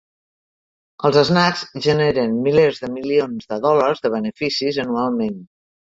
Els snacks generen milers de milions de dòlars de beneficis anualment.